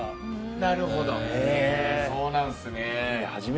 なるほどそうなんですね。